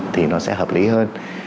thì nó sẽ hợp lý hơn